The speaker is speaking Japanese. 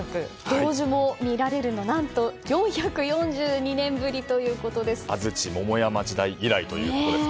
同時に見られるのは何と４４２年ぶりということです。